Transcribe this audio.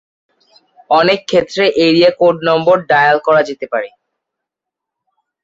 অনেক ক্ষেত্রে area code number dial করা যেতে পারে।